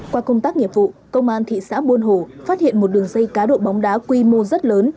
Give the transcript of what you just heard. qua công tác nghiệp vụ công an thị xã buôn hồ phát hiện một đường dây cá độ bóng đá quy mô rất lớn